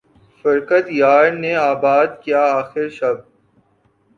فرقت یار نے آباد کیا آخر شب